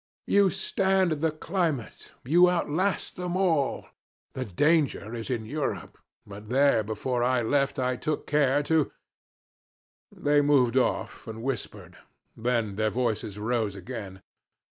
You stand the climate you outlast them all. The danger is in Europe; but there before I left I took care to ' They moved off and whispered, then their voices rose again.